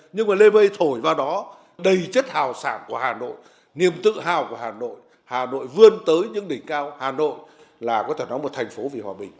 nhưng mà lê mây thổi vào đó đầy chất hào sản của hà nội niềm tự hào của hà nội hà nội vươn tới những đỉnh cao hà nội là có thể nói một thành phố vì hòa bình